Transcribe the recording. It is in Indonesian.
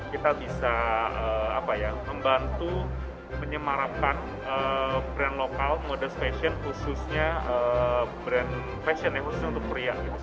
kita bisa membantu menyemarakan brand lokal modest fashion khususnya brand fashion ya khususnya untuk pria gitu